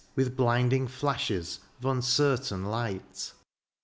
With blinding flashes of uncertain light.